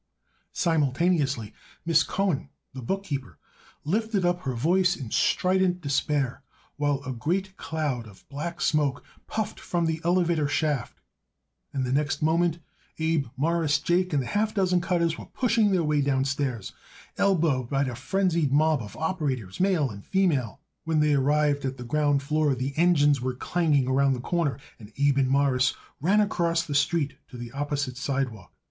Simultaneously Miss Cohen, the bookkeeper, lifted up her voice in strident despair while a great cloud of black smoke puffed from the elevator shaft, and the next moment Abe, Morris, Jake and the half dozen cutters were pushing their way downstairs, elbowed by a frenzied mob of operators, male and female. When they arrived at the ground floor the engines were clanging around the corner, and Abe and Morris ran across the street to the opposite sidewalk.